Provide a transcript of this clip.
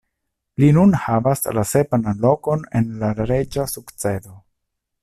Li nun havas la sepan lokon en la reĝa sukcedo.